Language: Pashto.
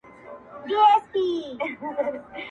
• قام ته د منظور پښتین ویاړلې ابۍ څه وايي -